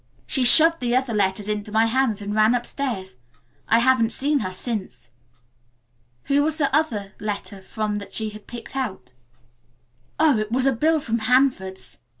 She shoved the other letters into my hands and ran upstairs. I haven't seen her since." "Who was the other letter from that she had picked out?" "Oh, it was a bill from Hanford's.